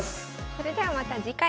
それではまた次回。